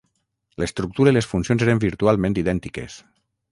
L'estructura i les funcions eren virtualment idèntiques.